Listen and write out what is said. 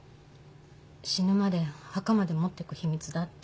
死ぬまで墓まで持ってく秘密だって。